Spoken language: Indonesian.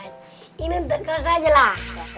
ini untuk kau saja lah